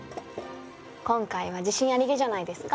今回は自信ありげじゃないですか？